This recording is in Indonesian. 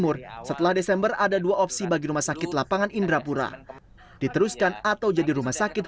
untuk menjadikan lapangan indrapura ini ke depan menjadi rumah sakit